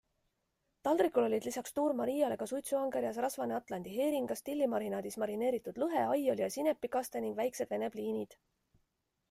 Taldrikul olid lisaks tuur Mariale ka suitsuangerjas, rasvane atlandi heeringas, tillimarinaadis marineeritud lõhe, aioli- ja sinepikaste ning väiksed vene pliinid.